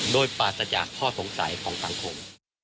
โดยปราศจากข้อสงสัยของสังคม